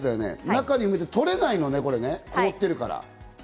中に入ってて取れないのね、凍ってるから。